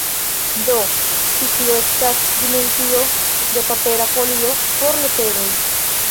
Do ĉi tio estas dimensio de papera folio por leteroj.